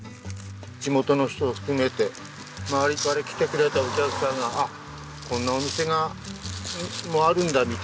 地元の人を含めて周りから来てくれたお客さんが「あっこんなお店もあるんだ」みたいな。